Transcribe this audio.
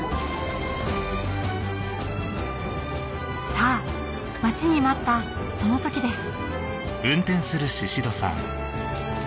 さぁ待ちに待ったその時です